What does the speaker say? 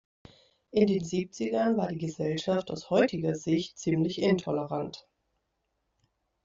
In den Siebzigern war die Gesellschaft aus heutiger Sicht ziemlich intolerant.